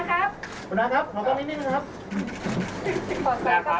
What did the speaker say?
ช้าหมุนมาเลยค่ะเดี๋ยวช้า